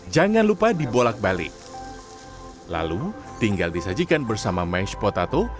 jangan lupa dibolak balik lalu tinggal disajikan bersama mash potato